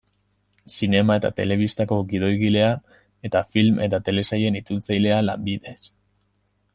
Zinema eta telebistako gidoigilea, eta film eta telesailen itzultzailea, lanbidez.